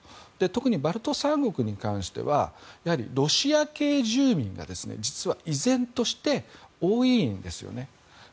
特にバルト三国に関してはロシア系住民が実は、依然として多いんですね。